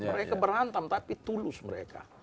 mereka berantem tapi tulus mereka